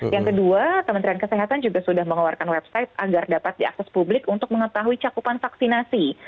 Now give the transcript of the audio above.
yang kedua kementerian kesehatan juga sudah mengeluarkan website agar dapat diakses publik untuk mengetahui cakupan vaksinasi